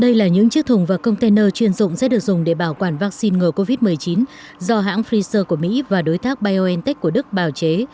đây là những chiếc thùng và container chuyên dụng sẽ được dùng để bảo quản vaccine ngừa covid một mươi chín do hãng freezer của mỹ và đối tác biontech của đức bào chế